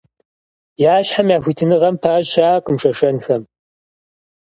Я щхьэм, я хуитыныгъэм пащӏ щыӏакъым шэшэнхэм.